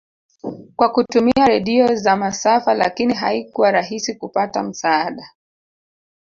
kwa kutumia radio za masafa lakini haikuwa rahisi kupata msaada